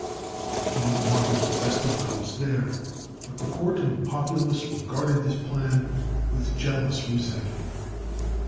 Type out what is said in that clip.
The King wanted the festival house there, but the court and the populace regarded this plan with jealous resentment.